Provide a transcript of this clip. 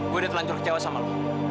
gue udah telanjur kecewa sama lu